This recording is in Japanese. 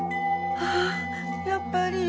あやっぱり。